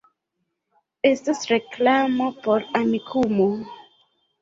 Estas reklamo por Amikumu